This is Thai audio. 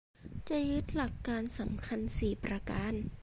จะยึดหลักการสำคัญสี่ประการ